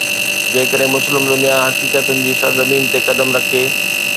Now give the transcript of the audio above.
جيڪڏهن مسلم دنيا حقيقتن جي سرزمين تي قدم رکي.